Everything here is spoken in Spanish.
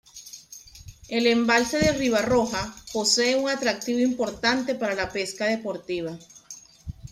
El embalse de Ribarroja posee un atractivo importante para la pesca deportiva.